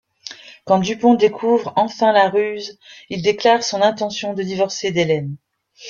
Quand Dupont découvre enfin la ruse, il déclare son intention de divorcer d'Hélène.